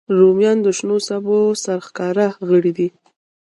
رومیان د شنو سبو سرښکاره غړی دی